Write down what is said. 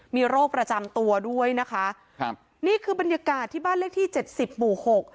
มีโรคประจำตัวด้วยนะคะครับนี่คือบรรยากาศที่บ้านเลขที่เจ็ดสิบหมู่หก